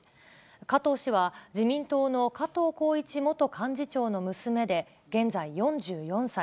加藤氏は、自民党の加藤紘一元幹事長の娘で、現在４４歳。